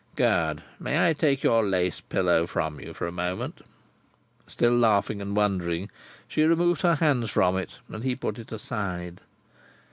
"Good. May I take your lace pillow from you for a minute?" Still laughing and wondering, she removed her hands from it, and he put it aside.